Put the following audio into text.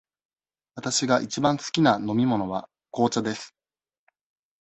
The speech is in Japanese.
わたしがいちばん好きな飲み物は紅茶です。